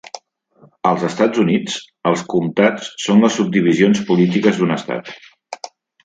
Als Estats Units, els comtats són les subdivisions polítiques d'un estat.